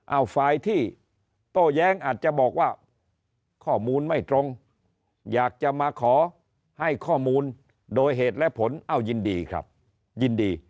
เอาฝ่ายที่โต้แย้งอาจจะบอกว่าข้อมูลไม่ตรงอยากจะมาขอให้ข้อมูลโดยเหตุและผลเอ้ายินดีครับยินดี